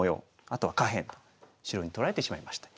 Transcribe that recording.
あとは下辺白に取られてしまいました。